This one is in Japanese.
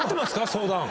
相談。